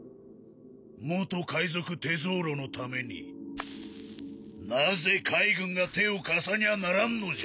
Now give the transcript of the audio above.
元海賊テゾーロのためになぜ海軍が手を貸さにゃならんのじゃ？